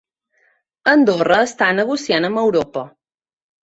Andorra està negociant amb Europa